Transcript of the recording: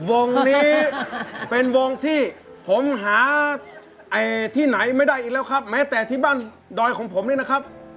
วงนี้เป็นวงที่ผมหาที่ไหนไม่ได้อีกแล้วครับแม้แต่ที่บ้านดอยของผมนี่นะครับ